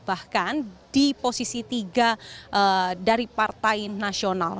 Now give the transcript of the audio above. bahkan di posisi tiga dari partai nasional